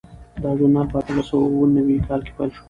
دا ژورنال په اتلس سوه اووه نوي کې پیل شو.